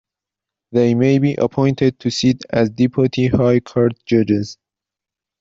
They may be appointed to sit as deputy High Court judges.